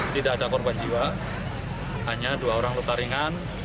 tidak ada korban jiwa hanya dua orang luka ringan